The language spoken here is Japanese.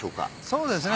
そうですね